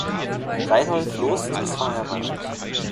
Reinhold Joest ist verheiratet.